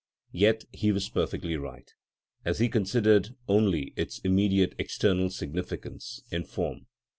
Yet he was perfectly right, as he considered only its immediate external significance, its form.